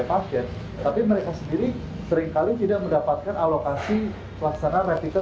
masyarakat tapi mereka sendiri seringkali tidak mendapatkan alokasi pelaksanaan retiket